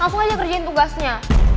langsung aja kerjain tugasnya